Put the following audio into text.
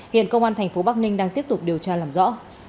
hiện công an tp bắc ninh đang tiếp tục điều tra làm rõ